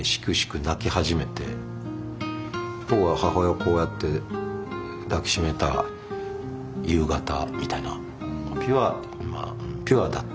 泣き始めて僕が母親をこうやって抱き締めた夕方みたいな。